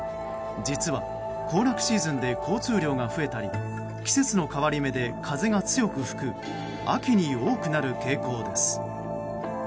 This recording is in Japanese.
実は行楽シーズンで交通量が増えたり季節の変わり目で風が強く吹く秋に多くなる傾向です。